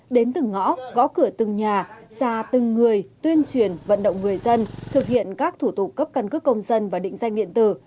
đến từng ngõ gõ cửa từng nhà ra từng người tuyên truyền vận động người dân thực hiện các thủ tục cấp căn cước công dân và định danh điện tử